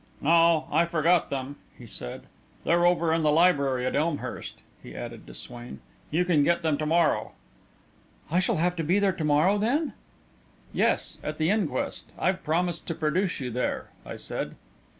"No, I forgot them," he said. "They're over in the library at Elmhurst," he added to Swain. "You can get them to morrow." "I shall have to be there to morrow, then?" "Yes, at the inquest; I've promised to produce you there," I said.